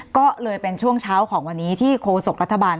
ก็เลยเป็นช่วงเช้าของวันนี้ที่โคศกรัฐบาล